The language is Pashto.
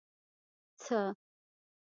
څه